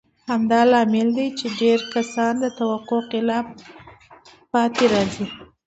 همدا لامل دی چې ډېر کسان د توقع خلاف پاتې راځي.